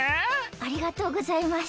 ありがとうございます。